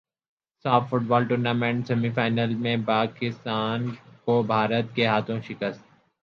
ساف football tournament semi final میں پاکستان کو بھارت کے ہاتھوں شکست